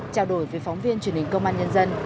trao đổi với phóng viên truyền hình công an nhân dân